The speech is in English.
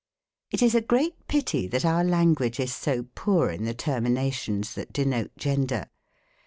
It is a great pity that our language is so poor in the terminations thai denote gender.